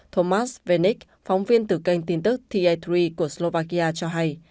tomas venik phóng viên từ kênh tin tức ti ba của slovakia cho hay